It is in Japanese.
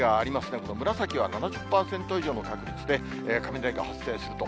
これ、紫は７０％以上の確率で雷が発生すると。